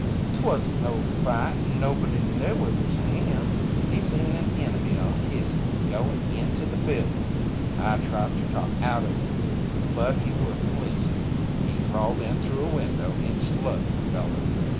"'Twasn't no fight and nobody knew it was him. He seen an enemy o' his'n go into the building. I tried ter talk him out o' it, but he wouldn't listen. He crawled in through a window, and slugged the feller."